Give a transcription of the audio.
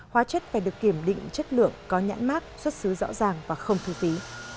hóa chất phải được kiểm định chất lượng có nhãn mát xuất xứ rõ ràng và không thú vị